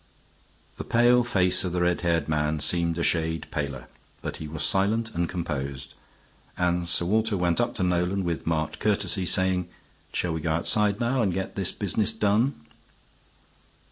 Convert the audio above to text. The pale face of the red haired man seemed a shade paler, but he was silent and composed, and Sir Walter went up to Nolan with marked courtesy, saying, "Shall we go outside now, and get this business done?"